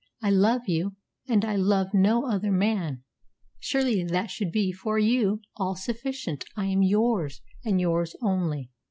I love you; and I love no other man. Surely that should be, for you, all sufficient. I am yours, and yours only."